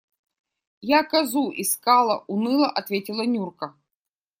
Я козу искала, – уныло ответила Нюрка.